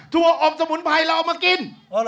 อบสมุนไพรเราเอามากิน